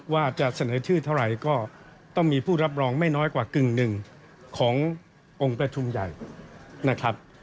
ว่าจะเสนอชื่อเท่าไหร่ก็ต้องมีผู้รับรองไม่น้อยกว่ากึ่งหนึ่งขององค์ประชุมใหญ่นะครับ